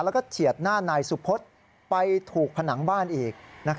แล้วก็เฉียดหน้านายสุพธไปถูกผนังบ้านอีก